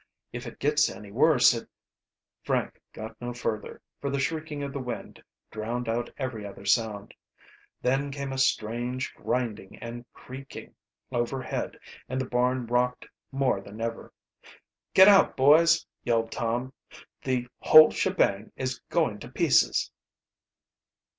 If it gets any worse it " Frank got no further, for the shrieking of the wind drowned out every other sound. Then came a strange grinding and creaking overhead, and the barn rocked more than ever. "Get out, boys," yelled Tom. "The old shebang is going to pieces!"